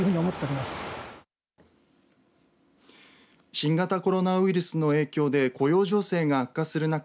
新型コロナウイルスの影響で雇用情勢が悪化する中